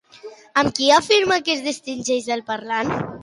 Amb qui afirma que es distingeix, el parlant?